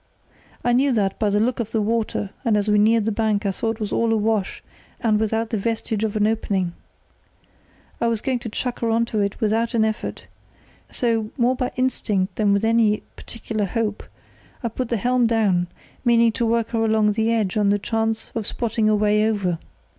I knew that by the look of the water, and as we neared the bank I saw it was all awash and without the vestige of an opening. I wasn't going to chuck her on to it without an effort; so, more by instinct than with any particular hope, I put the helm down, meaning to work her along the edge on the chance of spotting a way over.